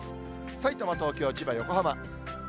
さいたま、東京、千葉、横浜。